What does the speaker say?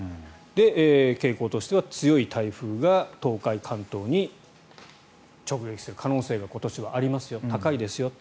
傾向としては強い台風が東海・関東に直撃する可能性が今年はありますよ高いですよと。